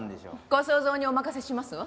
ご想像にお任せしますわ。